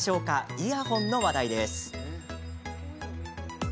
イヤホンの話題です。